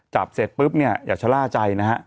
เสร็จปุ๊บเนี่ยอย่าชะล่าใจนะฮะ